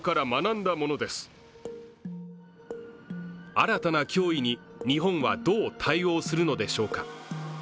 新たな脅威に日本はどう対応するのでしょうか